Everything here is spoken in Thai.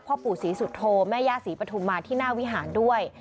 พ่อปู่ศรีสุโธแม่ย่าศรีปฐุมมาที่หน้าวิหารด้วย